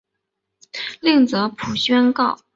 另译朴宣浩。